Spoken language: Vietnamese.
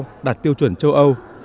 chất lượng cao đạt tiêu chuẩn châu âu